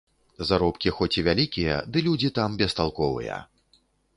Заробкі хоць і вялікія, ды людзі там бесталковыя.